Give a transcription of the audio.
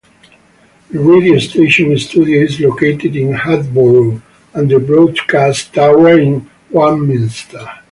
The radio station studio is located in Hatboro and the broadcast tower in Warminster.